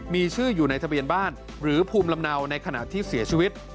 มีชื่ออยู่ในทะเบียนบ้านหรือภูมิลำเนาในขณะที่เสียชีวิต